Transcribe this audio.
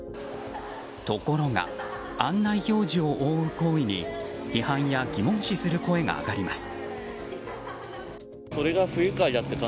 ところが案内表示を覆う行為に批判や疑問視する声が上がります。